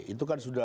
itu kan sudah